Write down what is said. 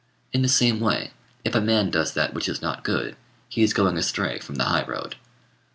In the same way, if a man does that which is not good, he is going astray from the high road.